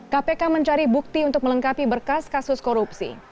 kpk mencari bukti untuk melengkapi berkas kasus korupsi